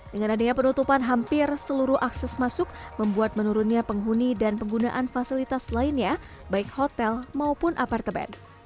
dengan adanya penutupan hampir seluruh akses masuk membuat menurunnya penghuni dan penggunaan fasilitas lainnya baik hotel maupun apartemen